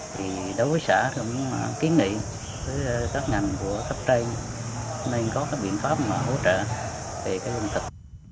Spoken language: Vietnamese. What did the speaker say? thì đối với xã thì cũng kiến nghị với các ngành của sắp trây nên có cái biện pháp mà hỗ trợ về cái lương thực